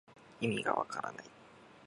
いみがわからない